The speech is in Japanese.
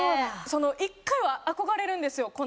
１回は憧れるんですよ。